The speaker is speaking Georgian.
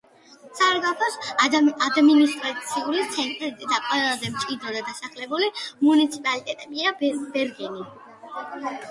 საგრაფოს ადმინისტრაციული ცენტრი და ყველაზე მჭიდროდ დასახლებული მუნიციპალიტეტია ბერგენი.